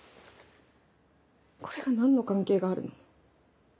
これが何の関係があるの？